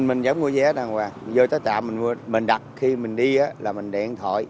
mình vẫn mua vé đàng hoàng vô tới trạm mình đặt khi mình đi là mình điện thoại